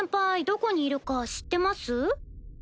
どこにいるか知ってます？